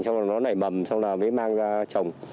xong rồi nó nảy mầm xong là mới mang ra trồng